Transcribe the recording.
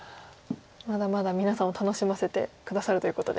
まだまだ皆さんを楽しませて下さるということで。